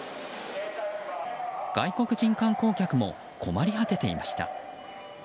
外国人観光客も困り果てていました。